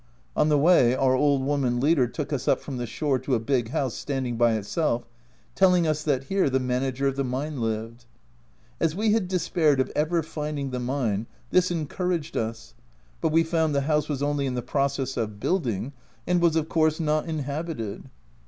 On the way our old woman leader took us up from the shore to a big house standing by itself, telling us that here the manager of the mine lived. As we had despaired of ever finding the mine, this encouraged us, but we found the house was only in the process of building, and was of course not inhabited.